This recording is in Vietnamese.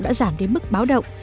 đã giảm đến mức báo động